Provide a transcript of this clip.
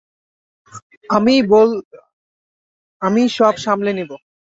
আমিই সব সামলে নেব।